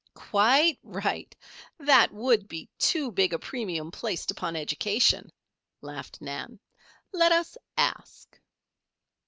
"Quite right. That would be too big a premium placed upon education," laughed Nan. "Let us ask."